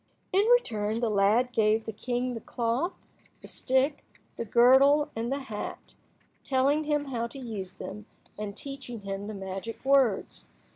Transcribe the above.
In return, the lad gave the king the cloth, the stick, the girdle, and the hat, telling him how to use them, and teaching him the magic words.